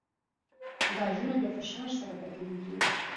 ګازونه د فشار سره بدلېږي.